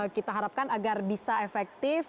kita harapkan agar bisa efektif